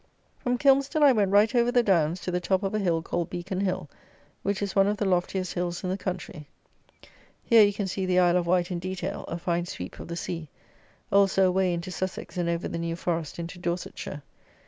From Kilmston I went right over the downs to the top of a hill called Beacon Hill, which is one of the loftiest hills in the country. Here you can see the Isle of Wight in detail, a fine sweep of the sea; also away into Sussex, and over the New Forest into Dorsetshire.